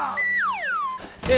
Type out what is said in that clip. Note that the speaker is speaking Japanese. え！